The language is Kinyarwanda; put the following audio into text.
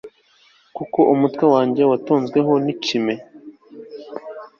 kuko umutwe wanjye watonzweho n'ikime